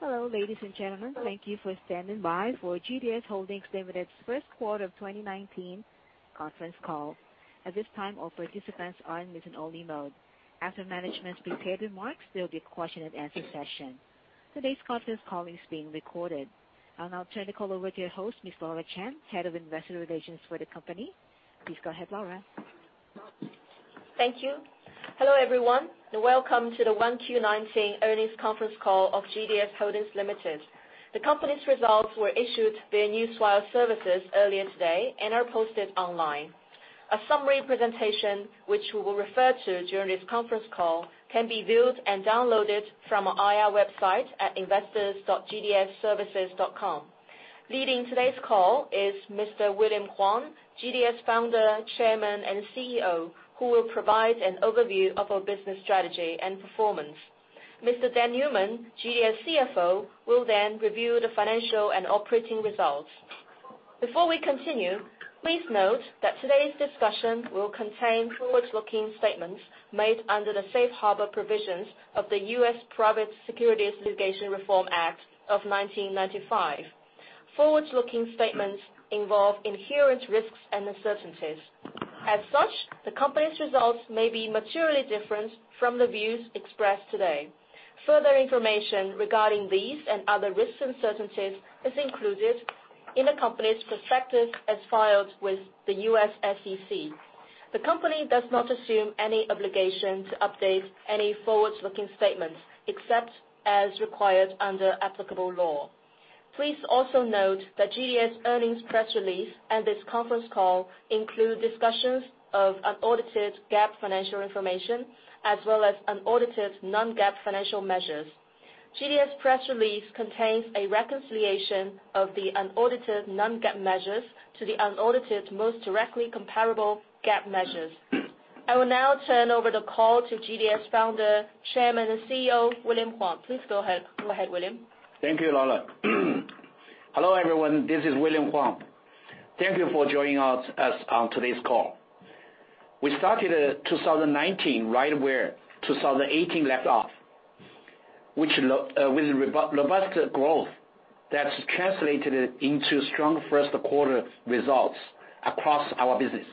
Hello, ladies and gentlemen. Thank you for standing by for GDS Holdings Limited's first quarter of 2019 conference call. At this time, all participants are in listen-only mode. After management's prepared remarks, there will be a question-and-answer session. Today's conference call is being recorded. I will now turn the call over to your host, Ms. Laura Chen, Head of Investor Relations for the company. Please go ahead, Laura. Thank you. Hello, everyone, and welcome to the 1Q 2019 earnings conference call of GDS Holdings Limited. The company's results were issued via newswire services earlier today and are posted online. A summary presentation, which we will refer to during this conference call, can be viewed and downloaded from our IR website at investors.gdsservices.com. Leading today's call is Mr. William Huang, GDS Founder, Chairman, and CEO, who will provide an overview of our business strategy and performance. Mr. Dan Newman, GDS CFO, will then review the financial and operating results. Before we continue, please note that today's discussion will contain forward-looking statements made under the Safe Harbor provisions of the U.S. Private Securities Litigation Reform Act of 1995. Forward-looking statements involve inherent risks and uncertainties. As such, the company's results may be materially different from the views expressed today. Further information regarding these and other risks and uncertainties is included in the company's prospectus as filed with the U.S. SEC. The company does not assume any obligation to update any forward-looking statements, except as required under applicable law. Please also note that GDS earnings press release and this conference call include discussions of unaudited GAAP financial information, as well as unaudited non-GAAP financial measures. GDS press release contains a reconciliation of the unaudited non-GAAP measures to the unaudited most directly comparable GAAP measures. I will now turn over the call to GDS Founder, Chairman, and CEO, William Huang. Please go ahead, William. Thank you, Laura. Hello, everyone. This is William Huang. Thank you for joining us on today's call. We started 2019 right where 2018 left off, with robust growth that's translated into strong first quarter results across our business.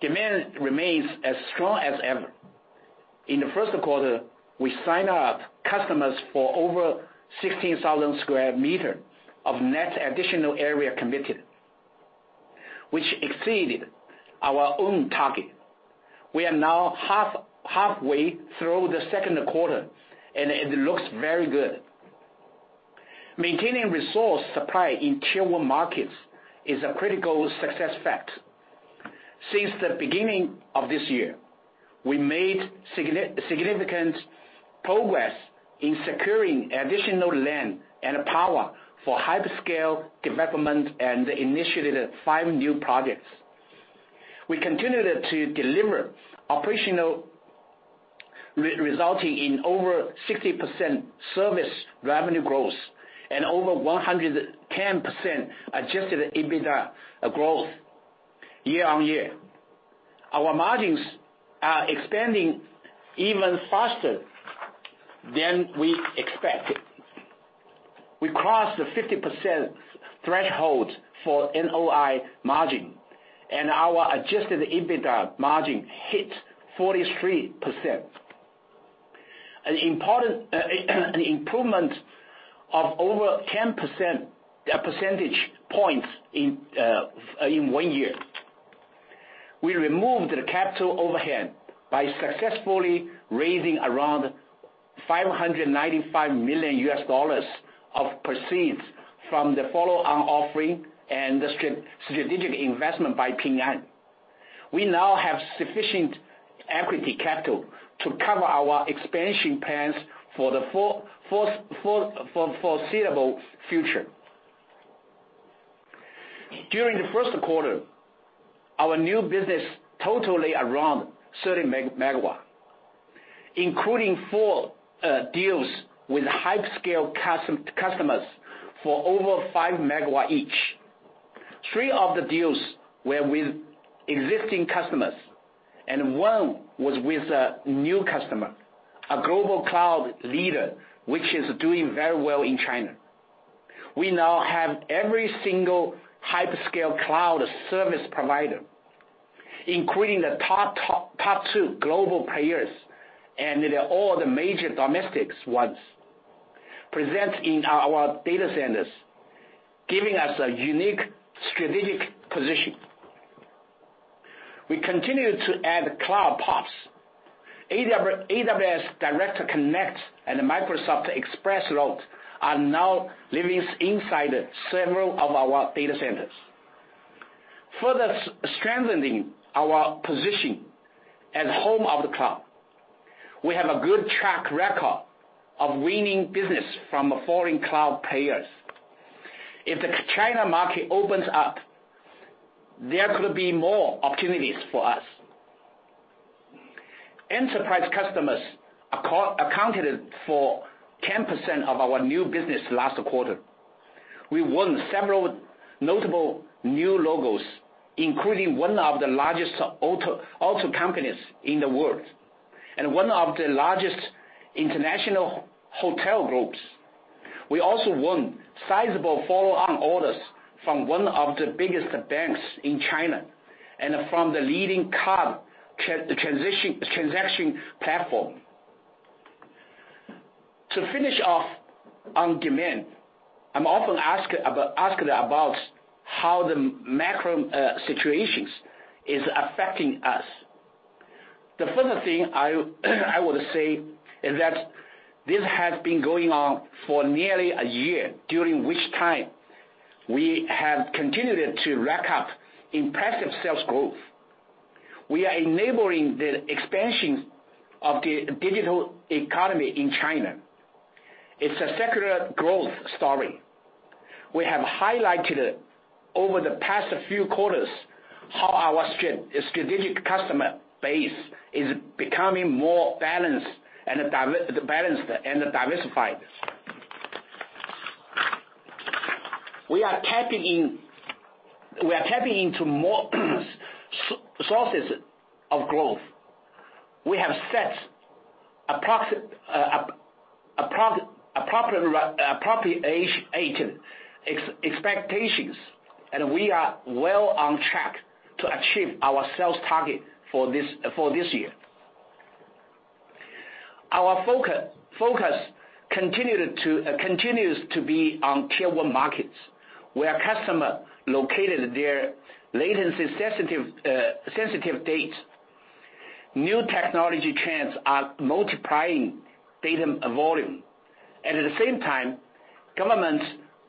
Demand remains as strong as ever. In the first quarter, we signed up customers for over 16,000 sq m of net additional area committed, which exceeded our own target. We are now halfway through the second quarter, and it looks very good. Maintaining resource supply in Tier 1 markets is a critical success factor. Since the beginning of this year, we made significant progress in securing additional land and power for hyperscale development and initiated five new projects. We continued to deliver operational, resulting in over 60% service revenue growth and over 110% adjusted EBITDA growth year-over-year. Our margins are expanding even faster than we expected. We crossed the 50% threshold for NOI margin, and our adjusted EBITDA margin hit 43%. An improvement of over 10 percentage points in one year. We removed the capital overhead by successfully raising around $595 million of proceeds from the follow-on offering and the strategic investment by Ping An. We now have sufficient equity capital to cover our expansion plans for the foreseeable future. During the first quarter, our new business totaled around 30 MW, including four deals with hyperscale customers for over 5 MW each. Three of the deals were with existing customers, and one was with a new customer, a global cloud leader, which is doing very well in China. We now have every single hyperscale cloud service provider, including the top two global players, and all the major domestic ones present in our data centers, giving us a unique strategic position. We continue to add cloud POPs. AWS Direct Connect and Microsoft ExpressRoute are now living inside several of our data centers, further strengthening our position as home of the cloud. We have a good track record of winning business from foreign cloud players. If the China market opens up, there could be more opportunities for us. Enterprise customers accounted for 10% of our new business last quarter. We won several notable new logos, including one of the largest auto companies in the world, and one of the largest international hotel groups. We also won sizable follow-on orders from one of the biggest banks in China, and from the leading card transaction platform. To finish off on demand, I'm often asked about how the macro situation is affecting us. The first thing I would say is that this has been going on for nearly a year, during which time we have continued to rack up impressive sales growth. We are enabling the expansion of the digital economy in China. It's a secular growth story. We have highlighted over the past few quarters how our strategic customer base is becoming more balanced and diversified. We are tapping into more sources of growth. We have set appropriate expectations, and we are well on track to achieve our sales target for this year. Our focus continues to be on Tier 1 markets, where customers locate their latency sensitive data. New technology trends are multiplying data volume. At the same time, government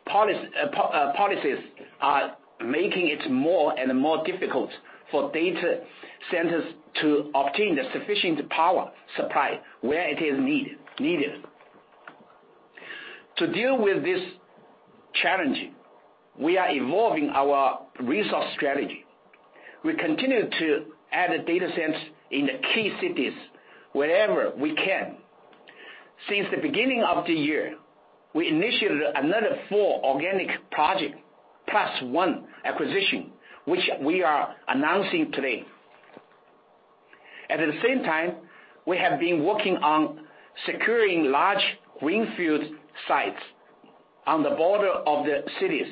policies are making it more and more difficult for data centers to obtain the sufficient power supply where it is needed. To deal with this challenge, we are evolving our resource strategy. We continue to add data centers in the key cities wherever we can. Since the beginning of the year, we initiated another four organic projects, plus one acquisition, which we are announcing today. At the same time, we have been working on securing large greenfield sites on the border of the cities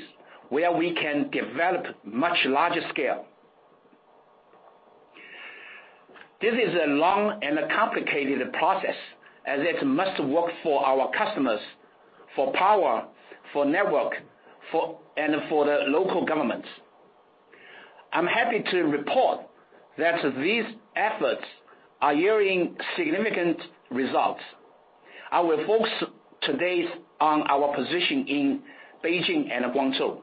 where we can develop much larger scale. This is a long and complicated process, as it must work for our customers, for power, for network, and for the local governments. I'm happy to report that these efforts are yielding significant results. I will focus today on our position in Beijing and Guangzhou.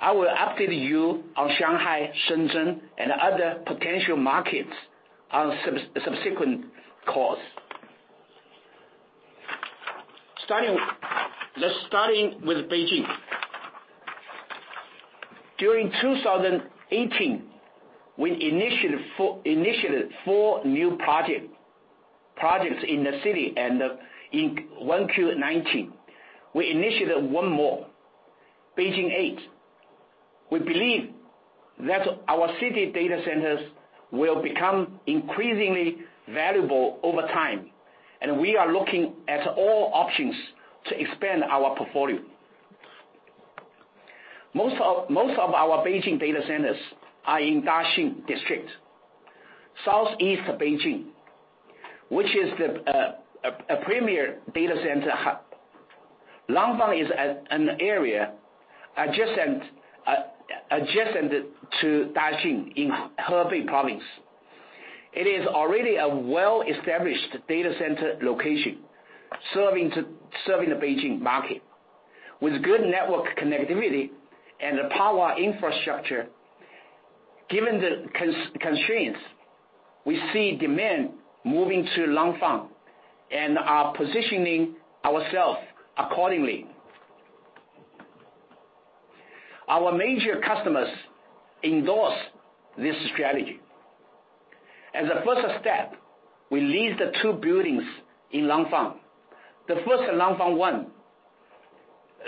I will update you on Shanghai, Shenzhen, and other potential markets on subsequent calls. Let's start with Beijing. During 2018, we initiated four new projects in the city, and in 1Q19. We initiated one more, Beijing Eight. We believe that our city data centers will become increasingly valuable over time, and we are looking at all options to expand our portfolio. Most of our Beijing data centers are in Daxing District, Southeast Beijing, which is a premier data center hub. Langfang is an area adjacent to Daxing in Hebei Province. It is already a well-established data center location serving the Beijing market with good network connectivity and power infrastructure. Given the constraints, we see demand moving to Langfang and are positioning ourselves accordingly. Our major customers endorse this strategy. As a first step, we leased two buildings in Langfang. The first Langfang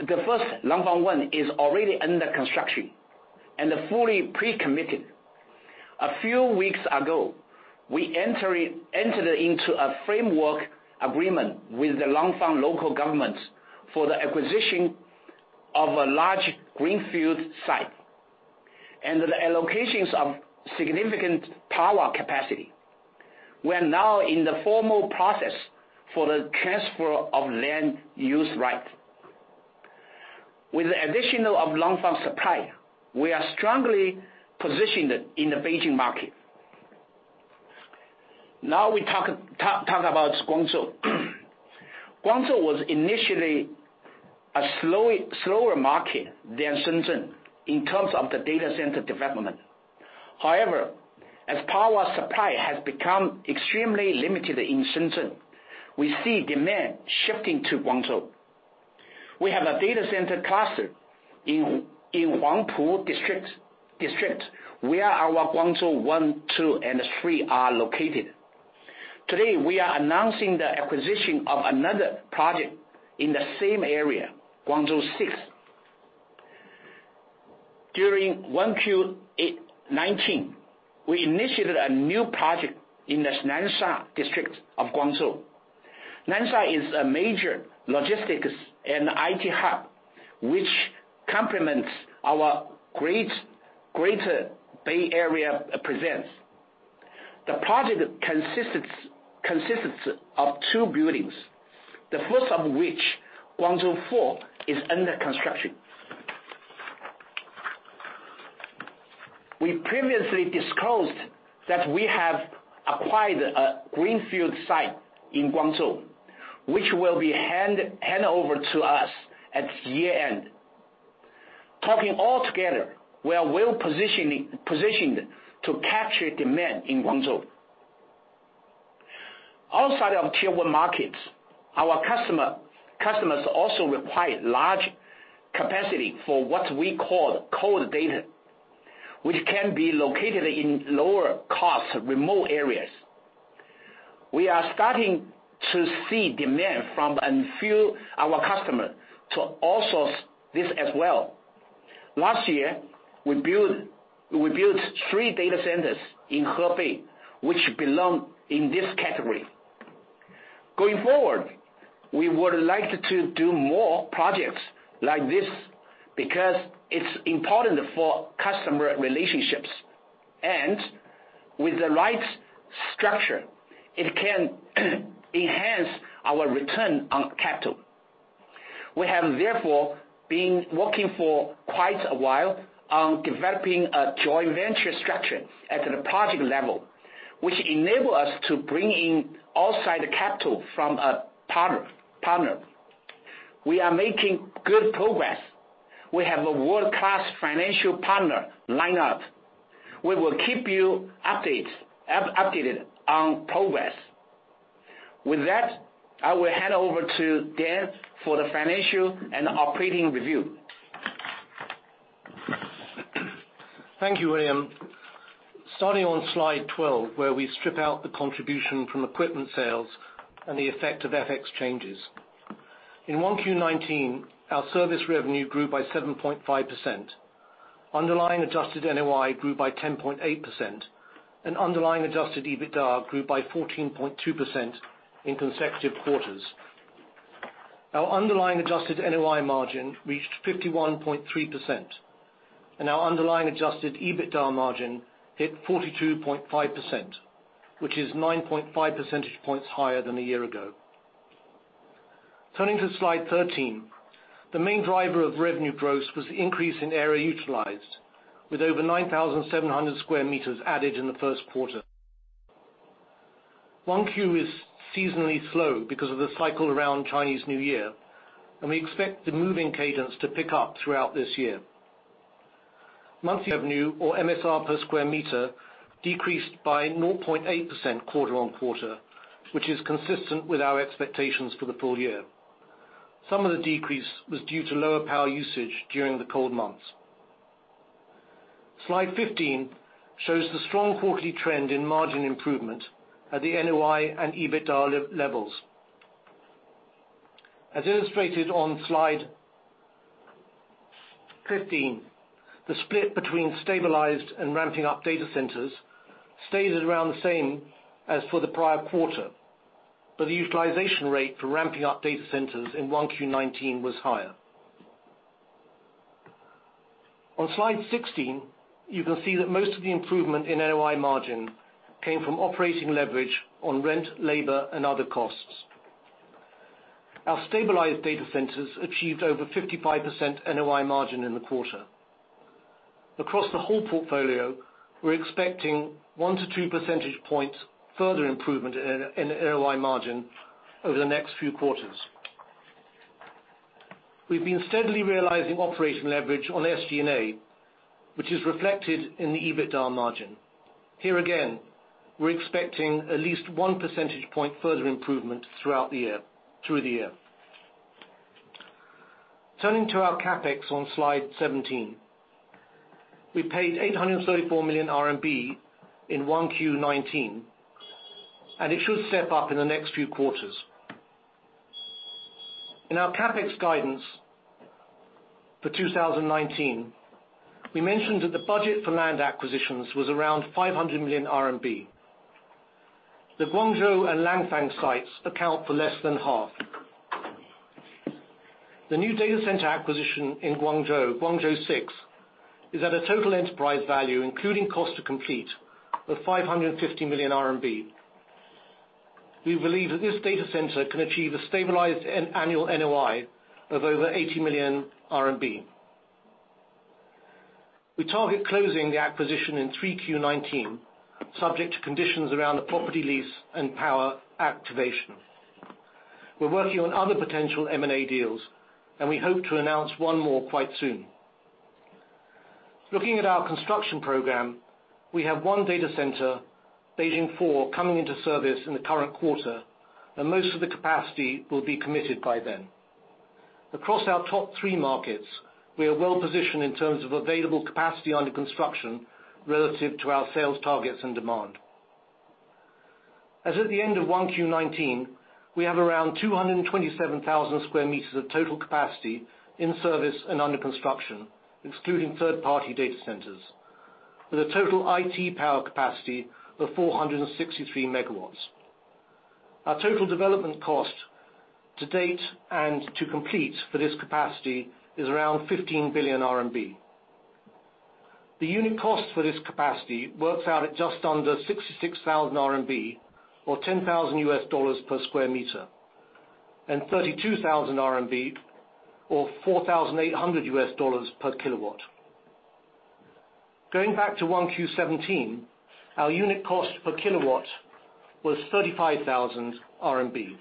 1 is already under construction and fully pre-committed. A few weeks ago, we entered into a framework agreement with the Langfang local government for the acquisition of a large greenfield site and the allocations of significant power capacity. We are now in the formal process for the transfer of land use right. With the additional of Langfang supply, we are strongly positioned in the Beijing market. Now we talk about Guangzhou. Guangzhou was initially a slower market than Shenzhen in terms of the data center development. However, as power supply has become extremely limited in Shenzhen, we see demand shifting to Guangzhou. We have a data center cluster in Huangpu District where our Guangzhou 1, 2, and 3 are located. Today, we are announcing the acquisition of another project in the same area, Guangzhou 6. During 1Q19, we initiated a new project in the Nansha District of Guangzhou. Nansha is a major logistics and IT hub, which complements our Greater Bay Area presence. The project consists of two buildings, the first of which, Guangzhou 4, is under construction. We previously disclosed that we have acquired a greenfield site in Guangzhou, which will be handed over to us at year-end. Talking all together, we are well-positioned to capture demand in Guangzhou. Outside of Tier 1 markets, our customers also require large capacity for what we call cold data, which can be located in lower cost, remote areas. We are starting to see demand from a few our customers to outsource this as well. Last year, we built three data centers in Hebei, which belong in this category. Going forward, we would like to do more projects like this because it's important for customer relationships. With the right structure, it can enhance our return on capital. We have therefore been working for quite a while on developing a joint venture structure at the project level, which enable us to bring in outside capital from a partner. We are making good progress. We have a world-class financial partner lined up. We will keep you updated on progress. With that, I will hand over to Dan for the financial and operating review. Thank you, William. Starting on slide 12, where we strip out the contribution from equipment sales and the effect of FX changes. In 1Q19, our service revenue grew by 7.5%. Underlying adjusted NOI grew by 10.8%, and underlying adjusted EBITDA grew by 14.2% in consecutive quarters. Our underlying adjusted NOI margin reached 51.3%, and our underlying adjusted EBITDA margin hit 42.5%, which is 9.5 percentage points higher than a year ago. Turning to slide 13. The main driver of revenue growth was the increase in area utilized, with over 9,700 square meters added in the first quarter. 1Q is seasonally slow because of the cycle around Chinese New Year, and we expect the moving cadence to pick up throughout this year. Monthly revenue, or MSR per square meter, decreased by 0.8% quarter-on-quarter, which is consistent with our expectations for the full year. Some of the decrease was due to lower power usage during the cold months. Slide 15 shows the strong quarterly trend in margin improvement at the NOI and EBITDA levels. As illustrated on slide 15, the split between stabilized and ramping up data centers stays around the same as for the prior quarter, but the utilization rate for ramping up data centers in 1Q19 was higher. On slide 16, you can see that most of the improvement in NOI margin came from operating leverage on rent, labor, and other costs. Our stabilized data centers achieved over 55% NOI margin in the quarter. Across the whole portfolio, we're expecting one to two percentage points further improvement in NOI margin over the next few quarters. We've been steadily realizing operational leverage on SG&A, which is reflected in the EBITDA margin. Here again, we're expecting at least one percentage point further improvement through the year. Turning to our CapEx on slide 17. We paid 834 million RMB in 1Q19, and it should step up in the next few quarters. In our CapEx guidance for 2019, we mentioned that the budget for land acquisitions was around 500 million RMB. The Guangzhou and Langfang sites account for less than half. The new data center acquisition in Guangzhou Six, is at a total enterprise value, including cost to complete, of 550 million RMB. We believe that this data center can achieve a stabilized annual NOI of over 80 million RMB. We target closing the acquisition in 3Q19, subject to conditions around the property lease and power activation. We're working on other potential M&A deals, and we hope to announce one more quite soon. Looking at our construction program, we have one data center, Beijing Four, coming into service in the current quarter, and most of the capacity will be committed by then. Across our top three markets, we are well positioned in terms of available capacity under construction relative to our sales targets and demand. As at the end of 1Q19, we have around 227,000 square meters of total capacity in service and under construction, excluding third-party data centers, with a total IT power capacity of 463 megawatts. Our total development cost to date and to complete for this capacity is around 15 billion RMB. The unit cost for this capacity works out at just under 66,000 RMB or $10,000 per square meter, and 32,000 RMB or $4,800 per kilowatt. Going back to 1Q17, our unit cost per kilowatt was 35,000 RMB.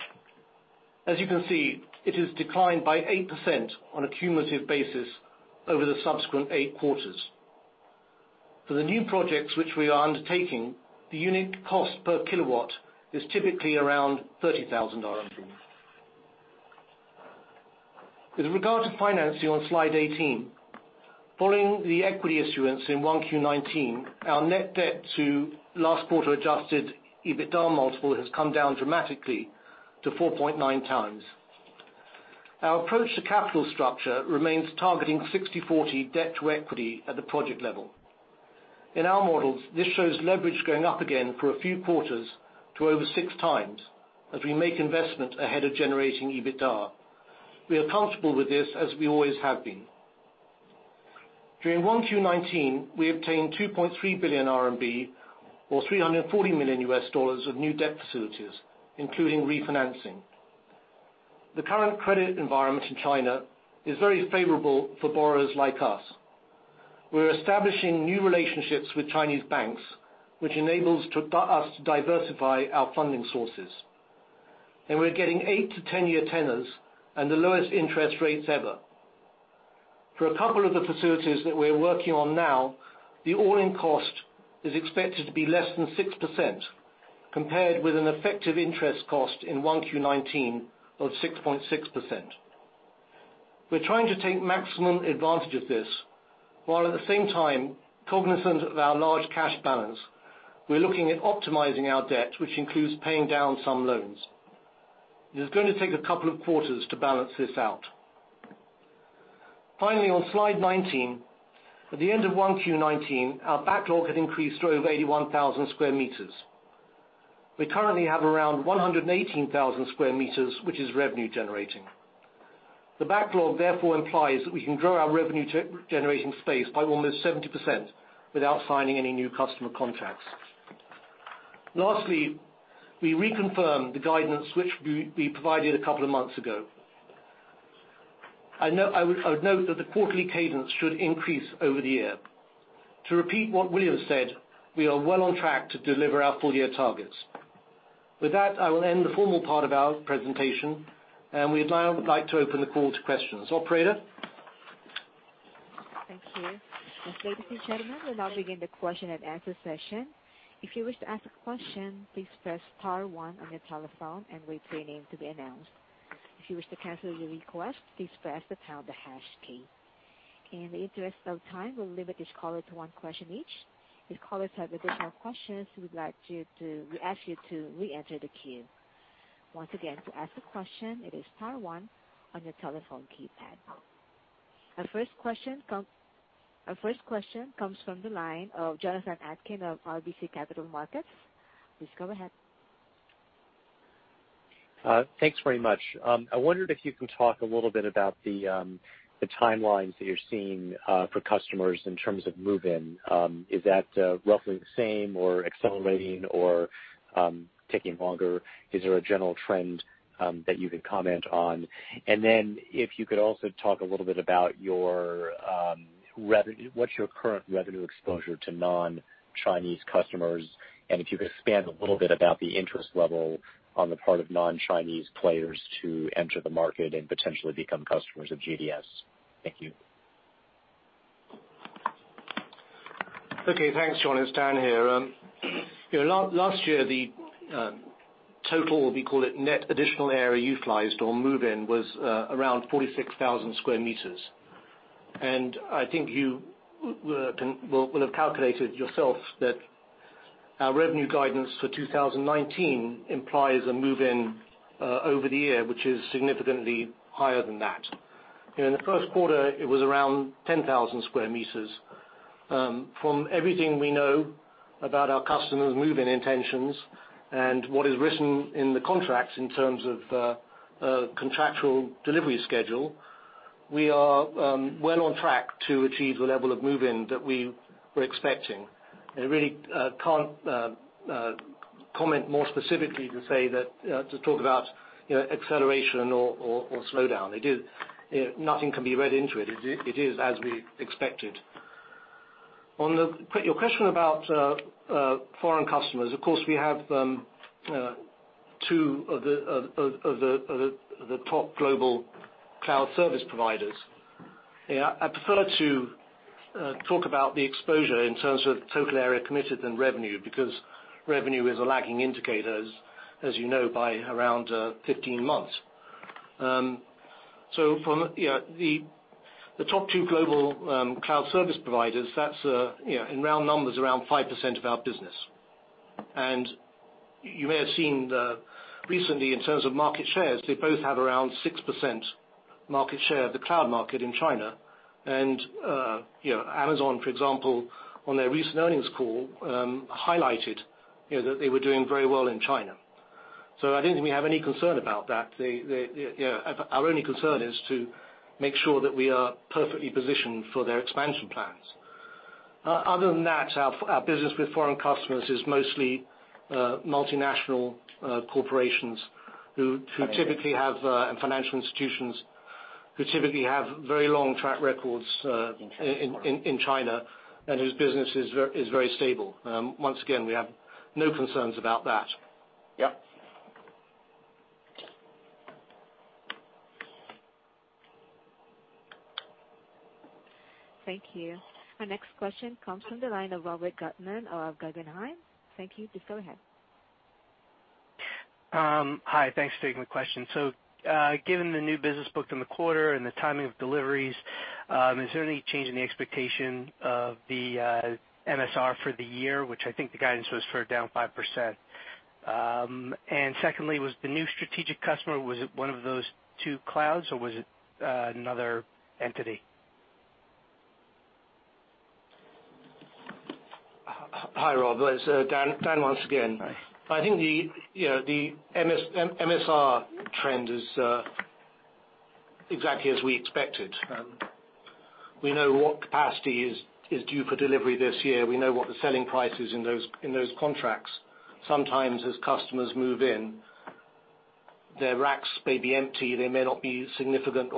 As you can see, it has declined by 8% on a cumulative basis over the subsequent eight quarters. For the new projects which we are undertaking, the unit cost per kilowatt is typically around 30,000 RMB. With regard to financing on slide 18, following the equity issuance in 1Q19, our net debt to last quarter adjusted EBITDA multiple has come down dramatically to 4.9x. Our approach to capital structure remains targeting 60/40 debt to equity at the project level. In our models, this shows leverage going up again for a few quarters to over 6x as we make investment ahead of generating EBITDA. We are comfortable with this as we always have been. During 1Q19, we obtained 2.3 billion RMB or $340 million of new debt facilities, including refinancing. The current credit environment in China is very favorable for borrowers like us. We're establishing new relationships with Chinese banks, which enables us to diversify our funding sources. We're getting eight to 10-year tenors and the lowest interest rates ever. For a couple of the facilities that we're working on now, the all-in cost is expected to be less than 6%, compared with an effective interest cost in 1Q19 of 6.6%. We're trying to take maximum advantage of this, while at the same time, cognizant of our large cash balance. We're looking at optimizing our debt, which includes paying down some loans. It is going to take a couple of quarters to balance this out. Finally, on slide 19, at the end of 1Q19, our backlog had increased to over 81,000 sq m. We currently have around 118,000 sq m, which is revenue generating. The backlog therefore implies that we can grow our revenue generation space by almost 70% without signing any new customer contracts. Lastly, we reconfirm the guidance which we provided a couple of months ago. I would note that the quarterly cadence should increase over the year. To repeat what William said, we are well on track to deliver our full year targets. With that, I will end the formal part of our presentation. We'd now like to open the call to questions. Operator? Thank you. Ladies and gentlemen, we'll now begin the question and answer session. If you wish to ask a question, please press star one on your telephone and wait for your name to be announced. If you wish to cancel your request, please press the pound or hash key. In the interest of time, we'll limit each caller to one question each. If callers have additional questions, we ask you to reenter the queue. Once again, to ask a question, it is star one on your telephone keypad. Our first question comes from the line of Jonathan Atkin of RBC Capital Markets. Please go ahead. Thanks very much. I wondered if you can talk a little bit about the timelines that you're seeing for customers in terms of move-in. Is that roughly the same or accelerating or taking longer? Is there a general trend that you can comment on? If you could also talk a little bit about what's your current revenue exposure to non-Chinese customers, and if you could expand a little bit about the interest level on the part of non-Chinese players to enter the market and potentially become customers of GDS. Thank you. Okay. Thanks, John. It's Dan here. Last year, the total, we call it net additional area utilized or move-in, was around 46,000 sq m. I think you will have calculated yourself that our revenue guidance for 2019 implies a move-in over the year, which is significantly higher than that. In the first quarter, it was around 10,000 sq m. From everything we know about our customers move-in intentions and what is written in the contracts in terms of contractual delivery schedule, we are well on track to achieve the level of move-in that we were expecting. I really can't comment more specifically to talk about acceleration or slowdown. Nothing can be read into it. It is as we expected. On your question about foreign customers, of course, we have two of the top global cloud service providers. Yeah. I prefer to talk about the exposure in terms of total area committed and revenue, because revenue is a lagging indicator, as you know, by around 15 months. From the top two global cloud service providers, that's, in round numbers, around 5% of our business. You may have seen that recently in terms of market shares, they both have around 6% market share of the cloud market in China. Amazon, for example, on their recent earnings call, highlighted that they were doing very well in China. I don't think we have any concern about that. Our only concern is to make sure that we are perfectly positioned for their expansion plans. Other than that, our business with foreign customers is mostly multinational corporations and financial institutions, who typically have very long track records in China and whose business is very stable. Once again, we have no concerns about that. Yep. Thank you. Our next question comes from the line of Robert Guterman of Guggenheim. Thank you. Please go ahead. Hi. Thanks for taking the question. Given the new business booked in the quarter and the timing of deliveries, is there any change in the expectation of the MSR for the year, which I think the guidance was for down 5%? Secondly, was the new strategic customer, was it one of those two clouds, or was it another entity? Hi, Rob. It's Dan once again. Hi. I think the MSR trend is exactly as we expected. We know what capacity is due for delivery this year. We know what the selling price is in those contracts. Sometimes as customers move in, their racks may be empty, there may not be significant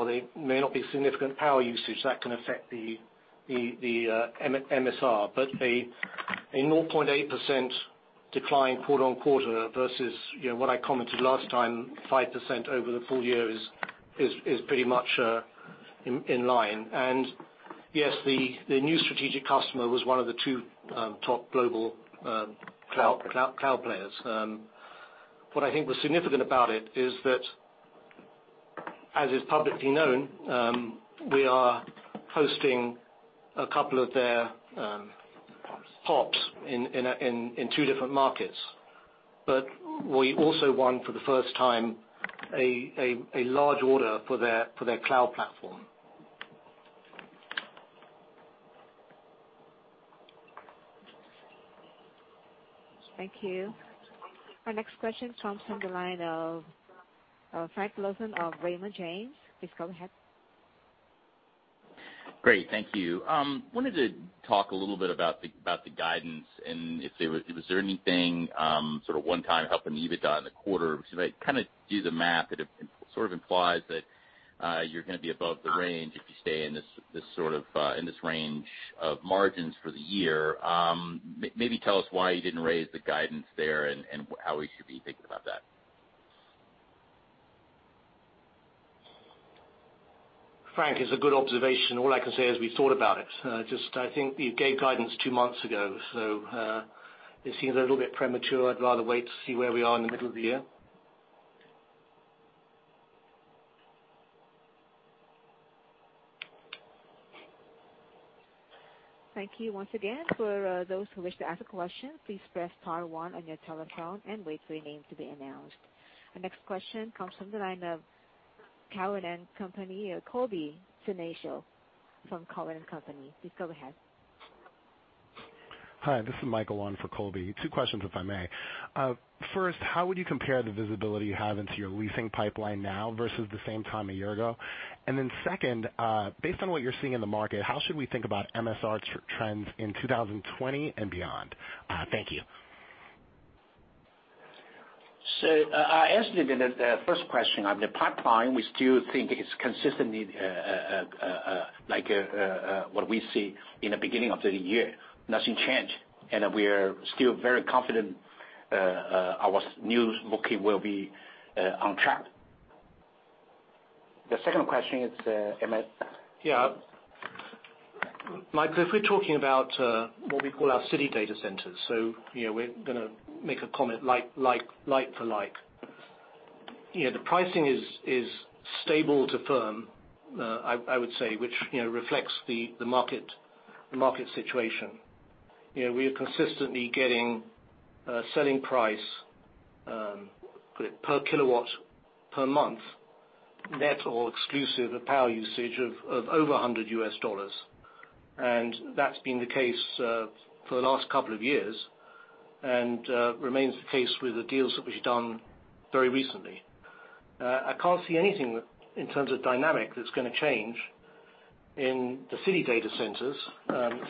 power usage. That can affect the MSR. A 0.8% decline quarter-over-quarter versus what I commented last time, 5% over the full year, is pretty much in line. Yes, the new strategic customer was one of the two top global cloud players. What I think was significant about it is that, as is publicly known, we are hosting a couple of their POPs in two different markets. We also won, for the first time, a large order for their cloud platform. Thank you. Our next question comes from the line of Frank Louthan of Raymond James. Please go ahead. Great. Thank you. Wanted to talk a little bit about the guidance and if there was anything sort of one-time helping EBITDA in the quarter. If I do the math, it sort of implies that you're going to be above the range if you stay in this range of margins for the year. Maybe tell us why you didn't raise the guidance there and how we should be thinking about that. Frank, it's a good observation. All I can say is we thought about it. Just, I think we gave guidance two months ago, so, it seems a little bit premature. I'd rather wait to see where we are in the middle of the year. Thank you once again. For those who wish to ask a question, please press star one on your telephone and wait for your name to be announced. The next question comes from the line of Cowen and Company, Colby Synesael from Cowen and Company. Please go ahead. Hi. This is Michael Long for Colby. Two questions, if I may. First, how would you compare the visibility you have into your leasing pipeline now versus the same time a year ago? Second, based on what you're seeing in the market, how should we think about MSR trends in 2020 and beyond? Thank you. I answered the first question. On the pipeline, we still think it's consistently like what we see in the beginning of the year. Nothing changed, and we are still very confident our new booking will be on track. The second question is. Michael, if we're talking about what we call our city data centers, so we're going to make a comment like for like. The pricing is stable to firm, I would say, which reflects the market situation. We are consistently getting a selling price per kilowatt, per month, net or exclusive of power usage, of over $100. That's been the case for the last couple of years and remains the case with the deals that we've done very recently. I can't see anything in terms of dynamic that's going to change in the city data centers.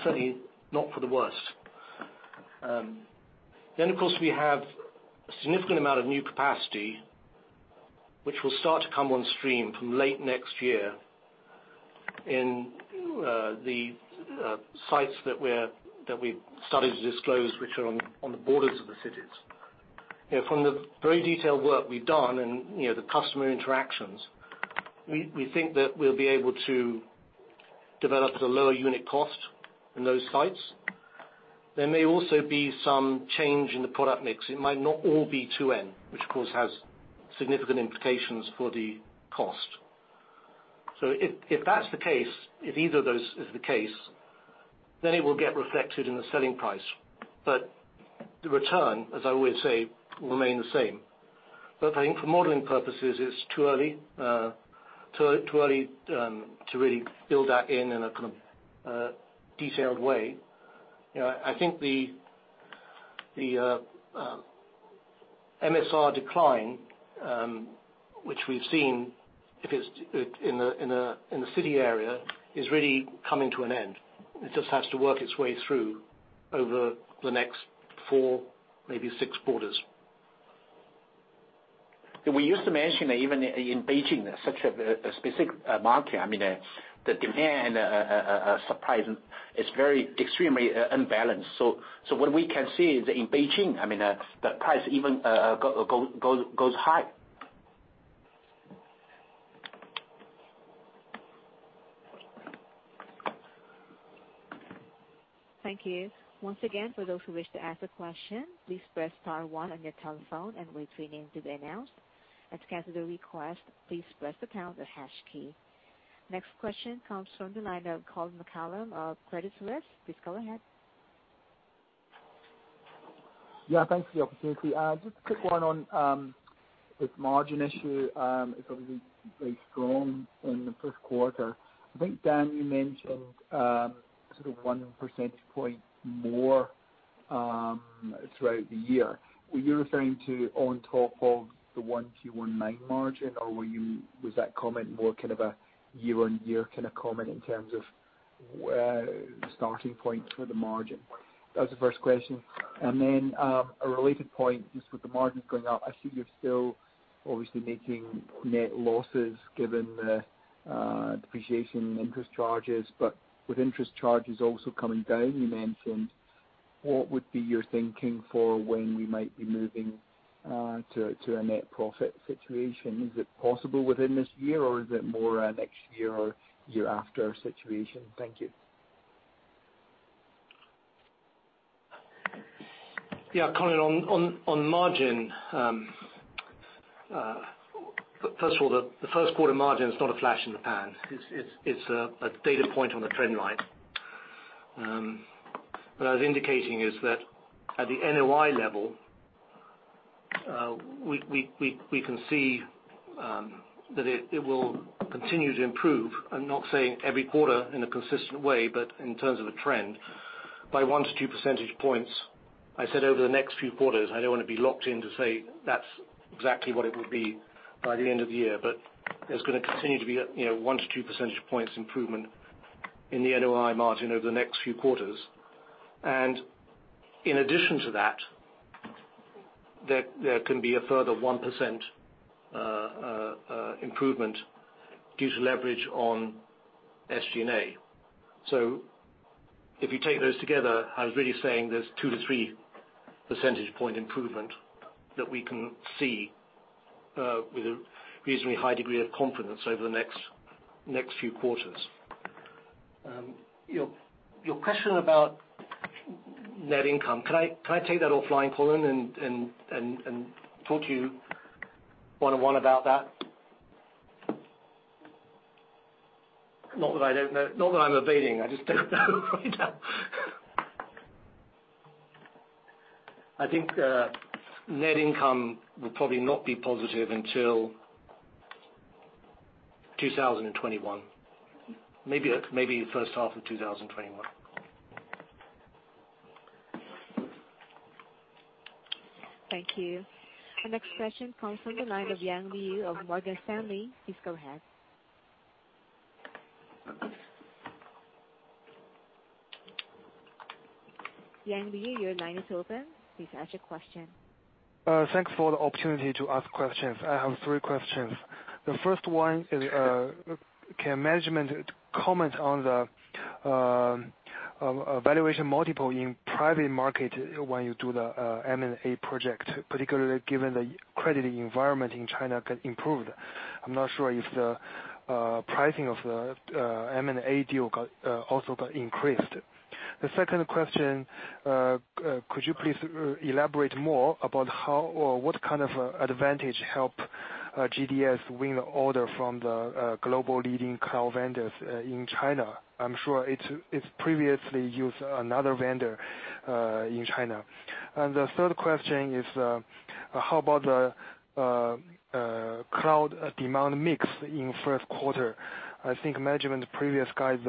Certainly not for the worse. Of course, we have a significant amount of new capacity, which will start to come on stream from late next year in the sites that we've started to disclose, which are on the borders of the cities. From the very detailed work we've done and the customer interactions, we think that we'll be able to develop at a lower unit cost in those sites. There may also be some change in the product mix. It might not all be 2N, which of course has significant implications for the cost. If that's the case, if either of those is the case, then it will get reflected in the selling price. The return, as I always say, will remain the same. I think for modeling purposes, it's too early to really build that in a kind of detailed way. I think the MSR decline, which we've seen in the city area, is really coming to an end. It just has to work its way through over the next four, maybe six quarters. We used to mention that even in Beijing, such a specific market, the demand and supply is extremely unbalanced. What we can see is in Beijing, the price even goes high. Thank you. Once again, for those who wish to ask a question, please press star one on your telephone and wait for your name to be announced. To cancel the request, please press the pound or hash key. Next question comes from the line of Colin McCallum of Credit Suisse. Please go ahead. Yeah, thanks for the opportunity. Just a quick one on this margin issue. It's obviously very strong in the first quarter. I think, Dan, you mentioned sort of one percentage point more throughout the year. Were you referring to on top of the 1Q19 margin, or was that comment more kind of a year-on-year kind of comment in terms of starting point for the margin? That was the first question. Then, a related point, just with the margins going up, I assume you're still obviously making net losses given the depreciation interest charges. With interest charges also coming down, you mentioned, what would be your thinking for when we might be moving to a net profit situation? Is it possible within this year, or is it more a next year or year after situation? Thank you. Yeah. Colin, on margin. First of all, the first quarter margin is not a flash in the pan. It is a data point on the trend line. What I was indicating is that at the NOI level, we can see that it will continue to improve. I am not saying every quarter in a consistent way, but in terms of a trend by one to two percentage points, I said over the next few quarters. I do not want to be locked in to say that is exactly what it would be by the end of the year, but there is going to continue to be one to two percentage points improvement in the NOI margin over the next few quarters. In addition to that, there can be a further 1% improvement due to leverage on SG&A. If you take those together, I was really saying there is two to three percentage point improvement that we can see with a reasonably high degree of confidence over the next few quarters. Your question about net income, can I take that offline, Colin, and talk to you one-on-one about that? Not that I am evading, I just do not know right now. I think net income will probably not be positive until 2021, maybe first half of 2021. Thank you. The next question comes from the line of Yang Liu of Morgan Stanley. Please go ahead. Yang Liu, your line is open. Please ask your question. Thanks for the opportunity to ask questions. I have three questions. The first one is, can management comment on the valuation multiple in private market when you do the M&A project, particularly given the credit environment in China can improve? I am not sure if the pricing of the M&A deal also got increased. The second question, could you please elaborate more about what kind of advantage help GDS win order from the global leading cloud vendors in China? I am sure it is previously used another vendor in China. The third question is, how about the cloud demand mix in first quarter? I think management previous guide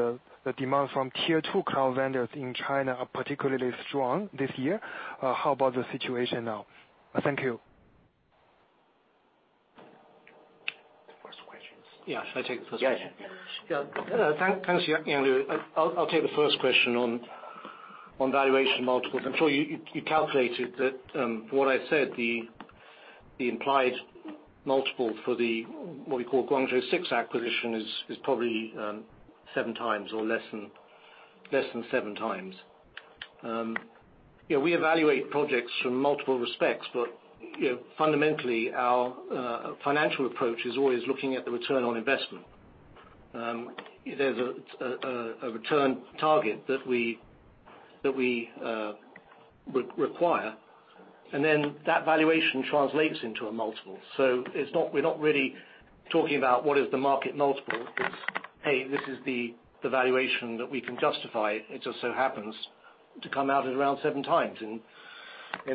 the demand from tier 2 cloud vendors in China are particularly strong this year. How about the situation now? Thank you. The first question is. Yeah. Should I take the first question? Yeah. Yeah. Thanks, Yang Liu. I'll take the first question on valuation multiples. I'm sure you calculated that from what I said, The implied multiple for what we call Guangzhou six acquisition is probably seven times or less than seven times. We evaluate projects from multiple respects, but fundamentally our financial approach is always looking at the return on investment. There's a return target that we require, and then that valuation translates into a multiple. We're not really talking about what is the market multiple. It's, "Hey, this is the valuation that we can justify." It just so happens to come out at around seven times in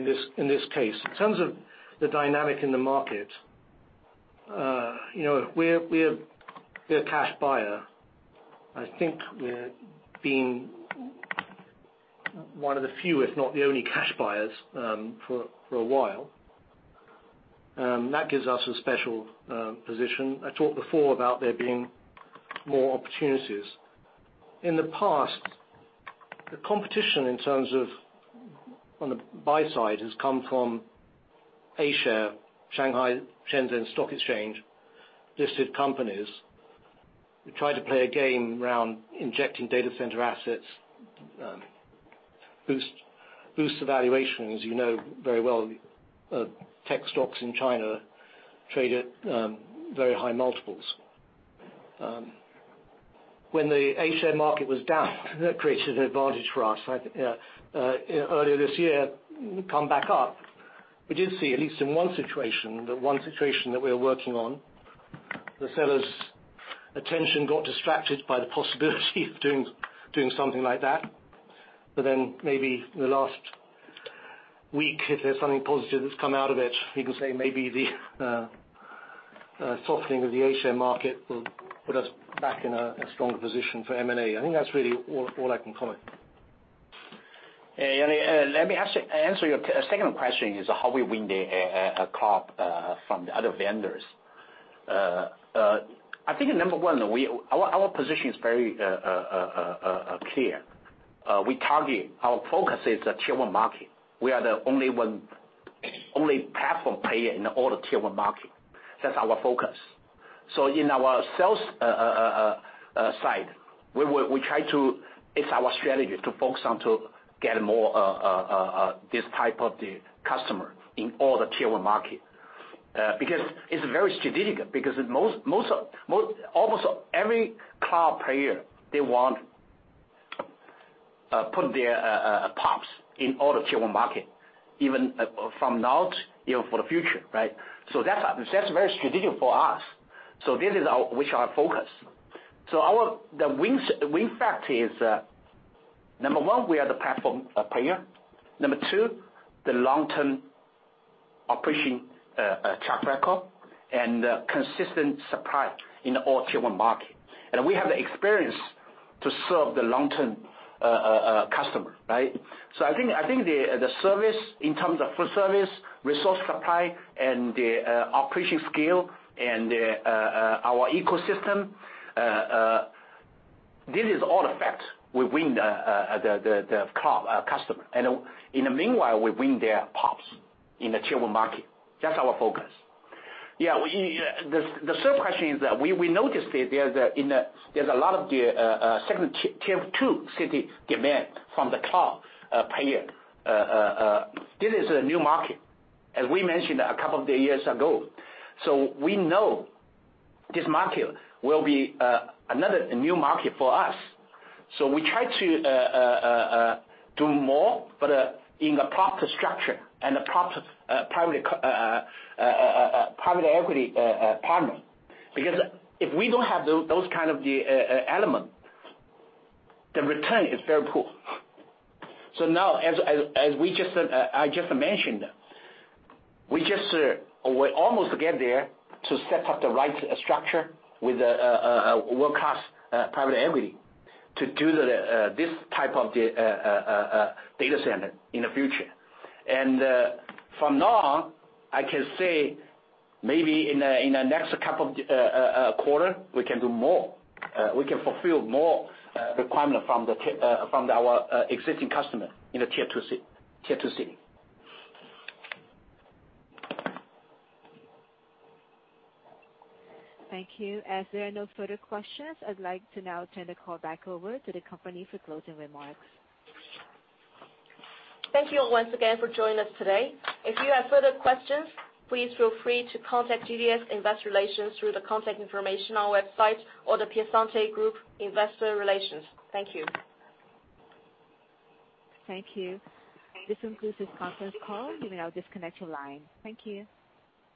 this case. In terms of the dynamic in the market, we're a cash buyer. I think we're being one of the few, if not the only cash buyers for a while. That gives us a special position. I talked before about there being more opportunities. In the past, the competition in terms of on the buy side has come from A-share, Shanghai, Shenzhen stock exchange listed companies who try to play a game around injecting data center assets, boost evaluations. You know very well, tech stocks in China trade at very high multiples. When the A-share market was down, that created an advantage for us. Earlier this year, come back up. We did see, at least in one situation, the one situation that we were working on, the seller's attention got distracted by the possibility of doing something like that. Maybe in the last week, if there's something positive that's come out of it, you can say maybe the softening of the A-share market will put us back in a strong position for M&A. I think that's really all I can comment. Let me answer your second question, is how we win the cloud from the other vendors. I think number one, our position is very clear. Our focus is the Tier 1 market. We are the only platform player in all the Tier 1 market. That's our focus. In our sales side, it's our strategy to focus on to get more this type of the customer in all the Tier 1 market. Because it's very strategic, because almost every cloud player, they want put their POPs in all the Tier 1 market, even from now, even for the future, right? That's very strategic for us. This is which our focus. The win fact is, number one, we are the platform player. Number two, the long-term operation track record and consistent supply in all Tier 1 market. We have the experience to serve the long-term customer, right? I think the service in terms of full service, resource supply, the operation scale and our ecosystem, this is all the fact. We win the cloud customer. In the meanwhile, we win their POPs in the Tier 1 market. That's our focus. The third question is that we noticed there's a lot of the second Tier 2 city demand from the cloud player. This is a new market, as we mentioned a couple of years ago. We know this market will be another new market for us. We try to do more, but in a proper structure and a proper private equity partner. Because if we don't have those kind of the element, the return is very poor. Now, as I just mentioned, we're almost get there to set up the right structure with a world-class private equity to do this type of data center in the future. From now on, I can say maybe in the next couple quarter, we can do more. We can fulfill more requirement from our existing customer in the Tier 2 city. Thank you. As there are no further questions, I'd like to now turn the call back over to the company for closing remarks. Thank you all once again for joining us today. If you have further questions, please feel free to contact GDS Investor Relations through the contact information on our website or The Piacente Group Investor Relations. Thank you. Thank you. This concludes this conference call. You may now disconnect your line. Thank you.